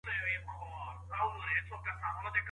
زده کوونکي باید په قوانینو پوه سي.